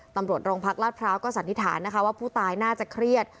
ตำรวจโรงพักลาดพร้าวก็สันนิษฐานนะคะว่าผู้ตายน่าจะเครียด